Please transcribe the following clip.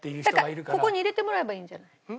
だからここに入れてもらえばいいんじゃない？